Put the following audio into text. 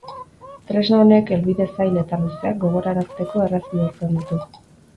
Tresna honek helbide zail eta luzeak gogorarazteko erraz bihurtzen ditu.